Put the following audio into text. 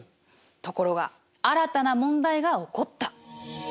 ところが新たな問題が起こった。